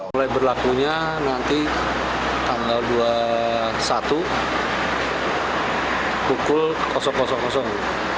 mulai berlakunya nanti tanggal dua puluh satu pukul